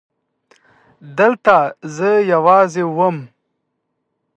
دلته زه يوازې وم.